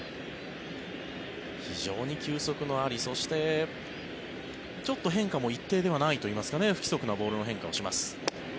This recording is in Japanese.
非常に球速もありそしてちょっと変化も一定ではないといいますか不規則なボールの変化をします。